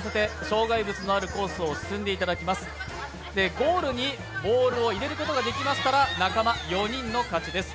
ゴールにボールを入れることができましたら仲間４人の勝ちです。